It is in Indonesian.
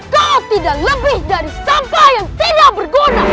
kau tidak lebih dari sampah yang tidak berguna